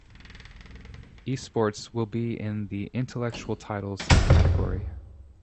Esports will be in the "intellectual titles" category.